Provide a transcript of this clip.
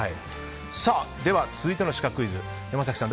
では続いてのシカクイズ山崎さん